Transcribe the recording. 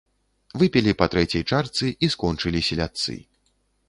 Выпілі па трэцяй чарцы і скончылі селядцы.